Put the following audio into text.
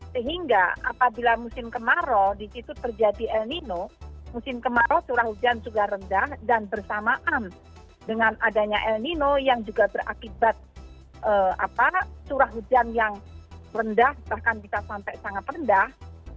sehingga apabila musim kemarau di situ terjadi el nino musim kemarau curah hujan juga rendah dan bersamaan dengan adanya el nino yang juga berakibat curah hujan yang rendah bahkan bisa sampai sangat rendah